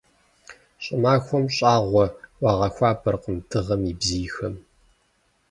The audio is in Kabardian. ЩӀымахуэм щӀагъуэ уагъэхуабэркъым дыгъэм и бзийхэм.